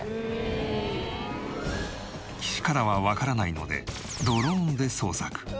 岸からはわからないのでドローンで捜索。